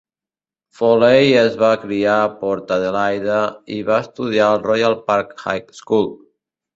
Foley es va criar a Port Adelaide i va estudiar al Royal Park High School.